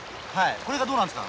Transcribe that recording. これがどうなるんですか？